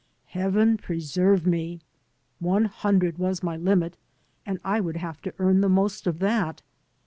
Heaven preserve me! One hundred was my limit, and I would have to earn the most of that.